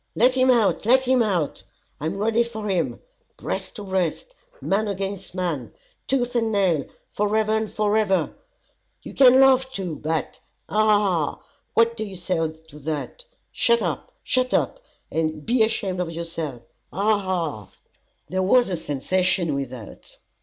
Let him out, let him out! I am ready for him, breast to breast, man against man, tooth and nail, forever and forever. You can laugh too, but Ha! Ha! Ha! what do you say to that? Shut up, shut up, and be ashamed of yourself. Ha! Ha! Ha!" There was a sensation without.